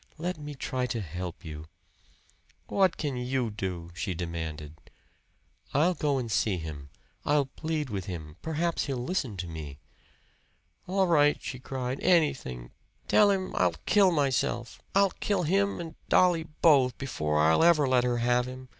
"Let me try to help you." "What can you do?" she demanded. "I'll go and see him. I'll plead with him perhaps he'll listen to me." "All right!" she cried. "Anything! Tell him I'll kill myself! I'll kill him and Dolly both, before I'll ever let her have him!